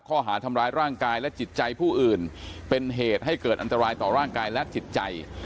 ข้อหาทำร้ายร่างกายและจิตใจผู้อื่นเป็นเหตุให้เกิดอันตรายต่อร่างกายและจิตใจ